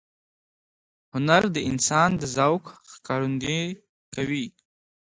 هنر د انسان د ذوق ښکارندویي کوي.